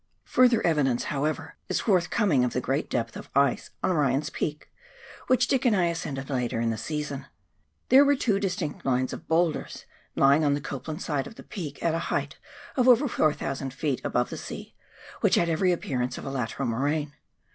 Further evidence, however, is forthcoming of the great depth of ice on Ryan's Peak, which Dick and I ascended later in the season. There were two distinct lines of boulders lying on the Copland side of the peak at a height of over 4,000 ft. above the sea, which had every appearance of a lateral moraine.